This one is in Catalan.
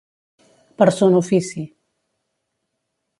Per son ofici.